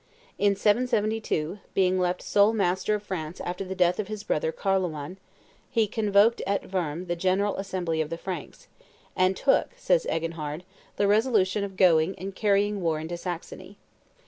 In 772, being left sole master of France after the death of his brother Carloman, he convoked at Worms the general assembly of the Franks, "and took," says Eginhard, "the resolution of going and carrying war into Saxony.